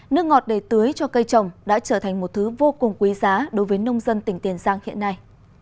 nước ngọt đầy tưới cho cây trồng đã trở thành một thứ vô cùng quý giá đối với nông dân tỉnh tiền giang hiện nay